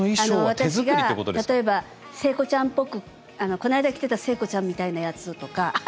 私が例えば聖子ちゃんっぽくこないだ着てた聖子ちゃんみたいなやつとか。